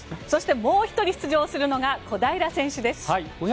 そしてもう１人出場するのが小平奈緒選手です。